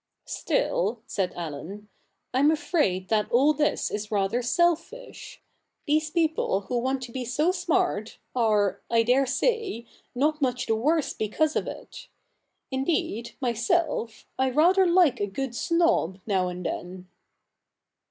' Still,' said Allen, ' Em afraid that all this is rather selfish. These people who want to be so smart, are, I dare say, not much the worse because of it. Indeed, myself, I rather like a good snob now and then.'